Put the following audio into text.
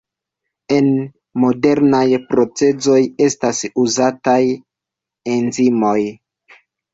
En modernaj procezoj estas uzataj enzimoj.